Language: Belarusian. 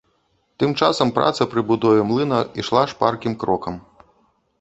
Тым часам праца пры будове млына ішла шпаркім крокам.